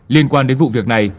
liên quan đến vụ việc này